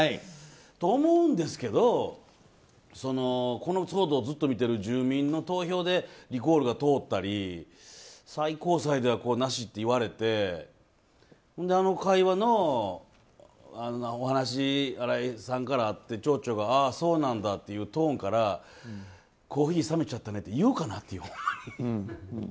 そう思うんですけどこの騒動をずっと見てる住民の投票でリコールが通ったり最高裁では、なしって言われてあの会話のお話新井さんからあって町長がああ、そうなんだって言うトーンからコーヒー冷めちゃったねって言うかなって。